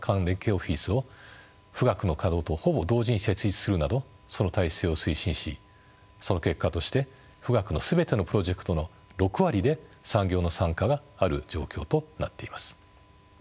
オフィスを富岳の稼働とほぼ同時に設立するなどその体制を推進しその結果として富岳の全てのプロジェクトの６割で産業の参加がある状況となっています。